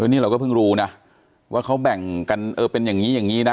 นี่เราก็เพิ่งรู้นะว่าเขาแบ่งกันเออเป็นอย่างนี้อย่างนี้นะ